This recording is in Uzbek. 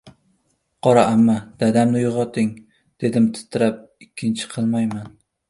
Qora amma», dadamni uyg‘oting, - dedim titrab- Ikkinchi qilmayman.